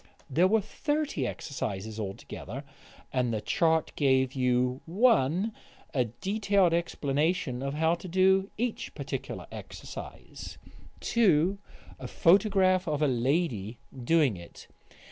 There were thirty exercises altogether, and the chart gave you: (1) A detailed explanation of how to do each particular exercise; (2) A photograph of a lady doing it.